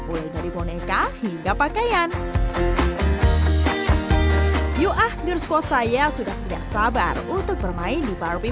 mulai dari boneka hingga pakaian yuk ah girsco saya sudah tidak sabar untuk bermain di barbie